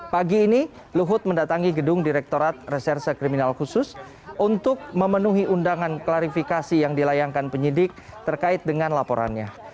pagi ini luhut mendatangi gedung direktorat reserse kriminal khusus untuk memenuhi undangan klarifikasi yang dilayangkan penyidik terkait dengan laporannya